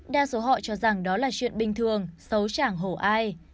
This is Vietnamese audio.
đa số họ cho rằng đó là chuyện bình thường xấu chẳng hổ ai